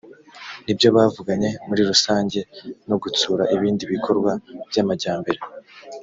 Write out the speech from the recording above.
nibyo bavuganye muri rusange no gutsura ibindi bikorwa by’amajyambere